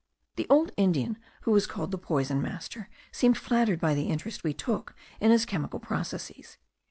The old Indian, who was called the poison master, seemed flattered by the interest we took in his chemical processes.